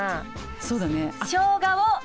そうだね。